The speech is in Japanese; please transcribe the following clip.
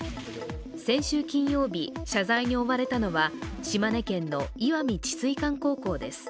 先週金曜日、謝罪に追われたのは島根県の石見智翠館高校です。